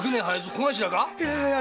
小頭か？